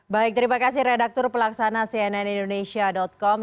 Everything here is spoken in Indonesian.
baik terima kasih redaktur pelaksana cnn indonesia com